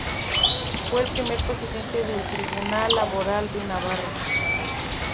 Fue el primer presidente del Tribunal Laboral de Navarra.